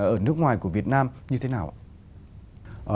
ở nước ngoài của việt nam như thế nào ạ